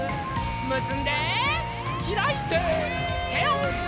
むすんでひらいててをうって。